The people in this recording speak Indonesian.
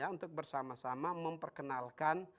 untuk bersama sama memperkenalkan